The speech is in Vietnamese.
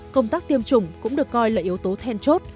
công tác tiêm chủng cũng được coi là yếu tố then chốt